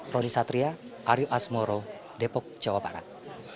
roni satria aryo asmoro depok jawa barat